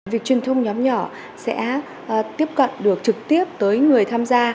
việc truyền thông nhóm nhỏ sẽ tiếp cận được trực tiếp tới người tham gia